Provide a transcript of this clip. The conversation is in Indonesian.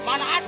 mana ada otak